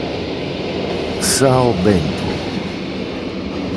São Bento